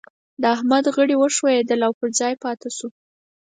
د احمد غړي وښوئېدل او پر ځای پاته شو.